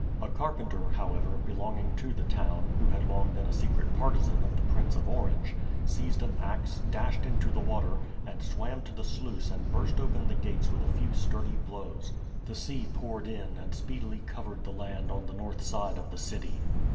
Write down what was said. A carpenter, however, belonging to the town, who had long been a secret partisan of the Prince of Orange, seized an axe, dashed into the water, and swam to the sluice and burst open the gates with a few sturdy blows. The sea poured in and speedily covered the land on the north side of the city.